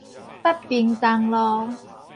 北平東路